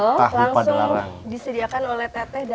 langsung disediakan oleh teteh dan kang heki